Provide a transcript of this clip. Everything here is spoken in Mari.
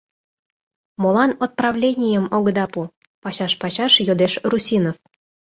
— Молан отправленийым огыда пу? — пачаш-пачаш йодеш Русинов.